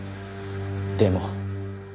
でも。